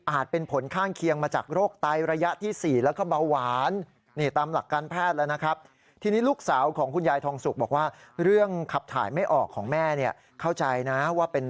เป็นผลข้างเคียงมาจากโรคไตระยะที่๔แล้วก็เบาหวาน